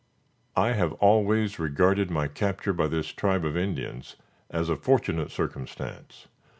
I have always regarded my capture by this tribe of Indians as a fortunate circumstance.